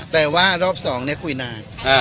แต่ว่ารอบสองเนี่ยคุยนาน